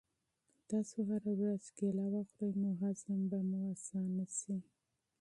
که تاسو هره ورځ کیله وخورئ نو هضم به مو اسانه شي.